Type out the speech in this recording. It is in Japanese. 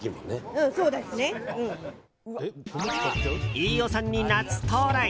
飯尾さんに夏到来。